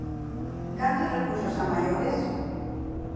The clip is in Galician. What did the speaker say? ¿Cantos recursos a maiores?